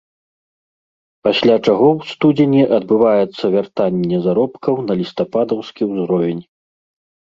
Пасля чаго ў студзені адбываецца вяртанне заробкаў на лістападаўскі ўзровень.